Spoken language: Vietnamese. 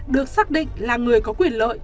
được xác định là người có quyền lợi